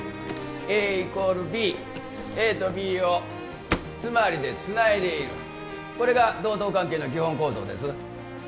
ＡイコールＢＡとＢを「つまり」でつないでいるこれが同等関係の基本構造です